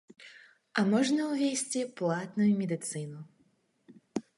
А можна увесці платную медыцыну.